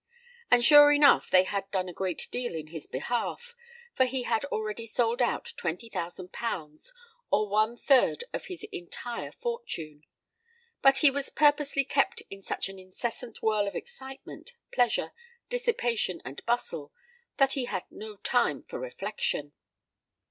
And sure enough they had done a great deal in his behalf; for he had already sold out twenty thousand pounds, or one third of his entire fortune; but he was purposely kept in such an incessant whirl of excitement, pleasure, dissipation, and bustle, that he had no time for reflection.